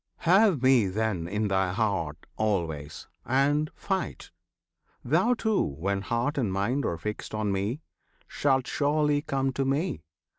Have Me, then, in thy heart always! and fight! Thou too, when heart and mind are fixed on Me, Shalt surely come to Me!